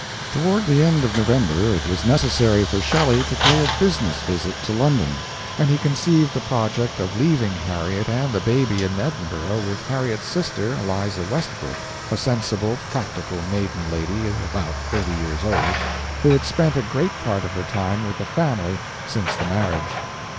Toward the end of November it was necessary for Shelley to pay a business visit to London, and he conceived the project of leaving Harriet and the baby in Edinburgh with Harriet's sister, Eliza Westbrook, a sensible, practical maiden lady about thirty years old, who had spent a great part of her time with the family since the marriage.